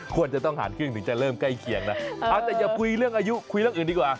ควรจะต้องหารครึ่งถึงจะเริ่มใกล้เคียงนะเอาแต่อย่าคุยเรื่องอายุคุยเรื่องอื่นดีกว่า